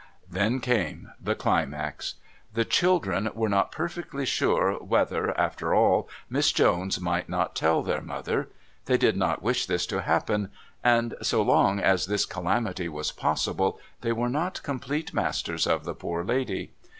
Then came the climax. The children were not perfectly sure whether, after all, Miss Jones might not tell their mother. They did not wish this to happen, and so long as this calamity was possible they were not complete masters of the poor lady.